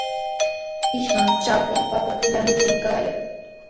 Ishkay chakwan papata yanuykaayan.